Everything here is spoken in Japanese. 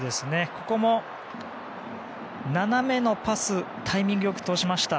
ここも斜めのパスタイミング良く通しました。